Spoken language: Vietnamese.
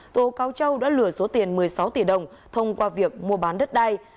tố cáo châu đã lừa số tiền một mươi sáu tỷ đồng thông qua việc mua bán đất đai